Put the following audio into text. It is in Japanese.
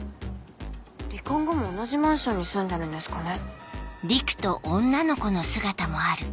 離婚後も同じマンションに住んでるんですかね。